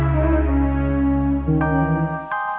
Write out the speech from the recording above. begitukah apah tu